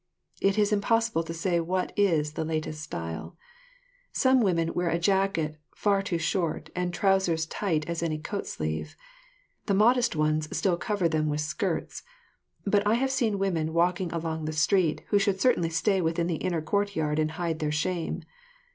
It is impossible to say what is the latest style. Some women wear a jacket far too short and trousers tight as any coat sleeve. The modest ones still cover them with skirts; but I have seen women walking along the street who should certainly stay within the inner courtyard and hide their shame.